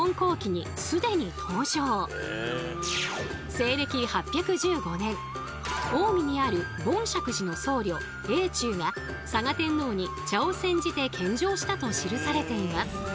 西暦８１５年近江にある梵釈寺の僧侶永忠が嵯峨天皇に茶を煎じて献上したと記されています。